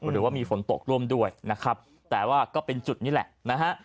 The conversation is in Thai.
หรือว่ามีฝนตกร่วมด้วยนะครับแต่ว่าก็เป็นจุดนี้แหละนะฮะ